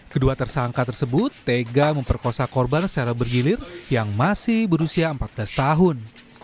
kedua tersangka tersebut tega memperkosa korban secara bergilir yang masih berusia empat belas tahun